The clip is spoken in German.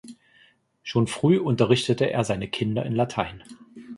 Schon früh unterrichtete er seine Kinder in Latein.